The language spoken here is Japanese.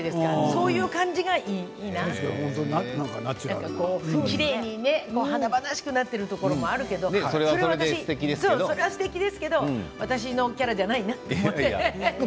そういう感じがいいなと思って華々しくなっているところもあるけどそれもすてきですけれど私のキャラではないなと思って。